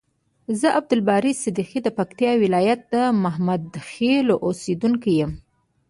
ز عبدالباری صدیقی د پکتیکا ولایت د محمدخیلو اوسیدونکی یم.